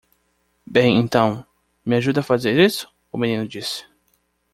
"Bem, então? me ajuda a fazer isso?" o menino disse.